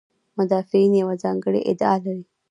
مدافعین یوه ځانګړې ادعا لري.